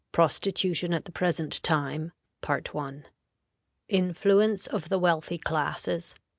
PROSTITUTION AT THE PRESENT TIME. Influence of the Wealthy Classes.